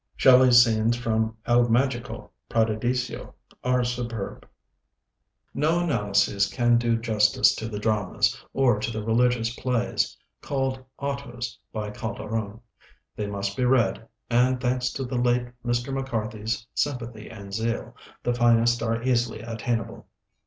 Shelley's scenes from 'El Mágico Prodigioso' are superb. No analyses can do justice to the dramas, or to the religious plays, called "autos," of Calderon. They must be read; and thanks to the late Mr. MacCarthy's sympathy and zeal, the finest are easily attainable.